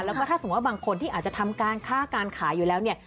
แล้วก็ถ้าสมมุติว่าบางคนที่อาจจะทำการค้าการขายอยู่แล้วเนี่ย